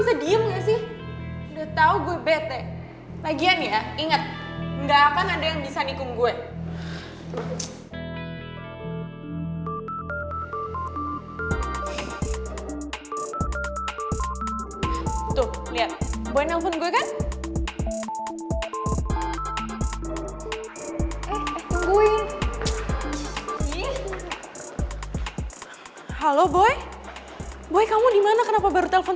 lu isengin itu ya kita juga baru dapat kabar dari raya kalau lu dicolongin sama reva dan